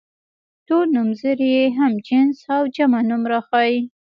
ټول نومځري هم جنس او جمع نوم راښيي.